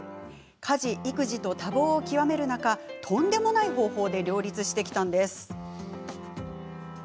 家事、育児と多忙を極める中とんでもない方法で両立してきたんです。